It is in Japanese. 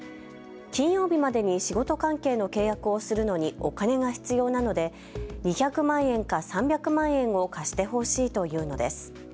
金曜日までに仕事関係の契約をするのにお金が必要なので２００万円か３００万円を貸してほしいと言うのです。